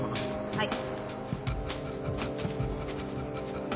はい。